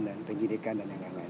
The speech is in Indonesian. dan penyidikan dan yang lain lain